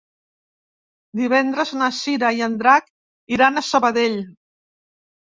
Divendres na Cira i en Drac iran a Sabadell.